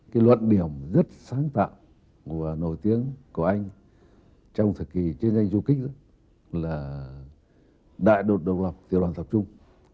cái luận điểm rất sáng tạo và nổi tiếng của anh trong thời kỳ chiến tranh du kích là đại đột độc lập tiểu đoàn tập trung